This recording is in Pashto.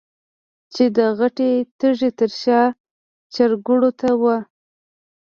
چې د غټې تيږې تر شا چرګوړو ته وه.